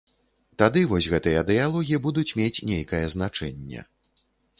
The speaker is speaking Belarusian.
Тады вось гэтыя дыялогі будуць мець нейкае значэнне.